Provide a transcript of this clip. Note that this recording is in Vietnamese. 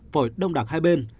phổi đông đặc hai bên